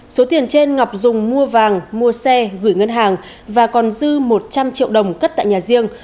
số tiền trên ngọc dùng mua vàng mua xe gửi ngân hàng và còn dư một trăm linh triệu đồng cất tại nhà riêng